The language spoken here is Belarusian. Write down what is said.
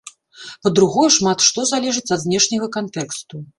Па-другое, шмат што залежыць ад знешняга кантэксту.